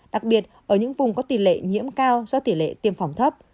đặc biệt ở những vùng có tỉ lệ nhiễm cao do tỉ lệ tiêm phòng thấp